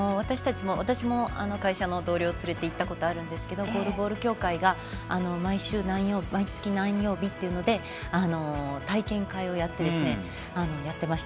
私も会社の同僚を連れて行ったことあるんですけどゴールボール協会が毎月何曜日ということで体験会をやってました。